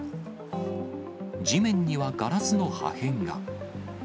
地面にはガラスの破片が。